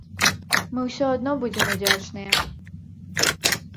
Мы ўсё адно будзем удзячныя.